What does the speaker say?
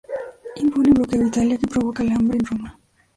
Impone un bloqueo a Italia que provoca el hambre en Roma.